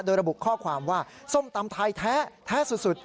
โดยระบุข้อความว่าส้มตำไทยแท้สุด